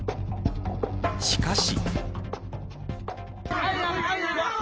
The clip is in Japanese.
しかし。